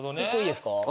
１個いいですか？